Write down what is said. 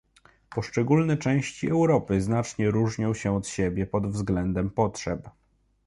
Poszczególne części Europy znacznie różnią się od siebie pod względem potrzeb